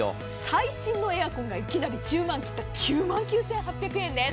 最新のエアコンがいきなり１０万切った９万９８００円です。